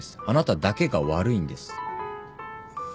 あなただけが悪いんです。